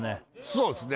そうですね